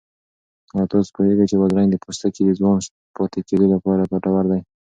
آیا تاسو پوهېږئ چې بادرنګ د پوستکي د ځوان پاتې کېدو لپاره ګټور دی؟